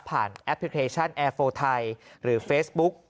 ผ่านแอปพลิเคชันแอร์โฟร์ไทยหรือเฟสบุ๊ค